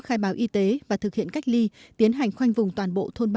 khai báo y tế và thực hiện cách ly tiến hành khoanh vùng toàn bộ thôn ba ngô khê